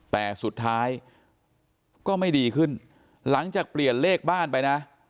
แต่สุดท้ายก็ไม่ดีขึ้นหลังจากเปลี่ยนเลขบ้านไปนะ